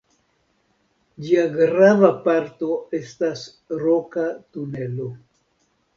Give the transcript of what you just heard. Ĝia grava parto estas Roka tunelo.